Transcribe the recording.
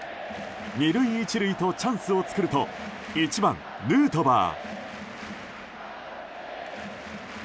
２塁１塁とチャンスを作ると１番、ヌートバー。